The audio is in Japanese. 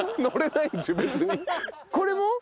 これも？